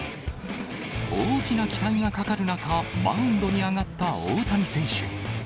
大きな期待がかかる中、マウンドに上がった大谷選手。